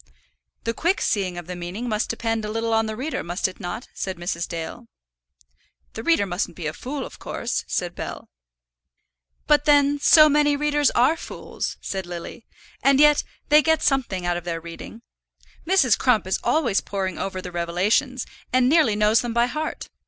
"The quick seeing of the meaning must depend a little on the reader, must it not?" said Mrs. Dale. "The reader mustn't be a fool, of course," said Bell. "But then so many readers are fools," said Lily. "And yet they get something out of their reading. Mrs. Crump is always poring over the Revelations, and nearly knows them by heart.